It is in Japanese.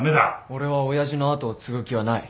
俺は親父の後を継ぐ気はない。